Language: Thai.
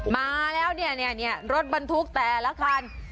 มาแล้วเนี่ยรถบรรทุกแต่ละคัน